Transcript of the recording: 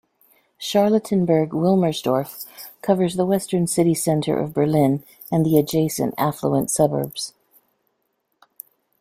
Charlottenburg-Wilmersdorf covers the western city centre of Berlin and the adjacent affluent suburbs.